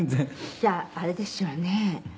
「じゃああれですよね」